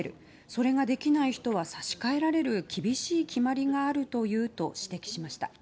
それができない人は差し替えられる厳しい決まりがあるというと指摘しました。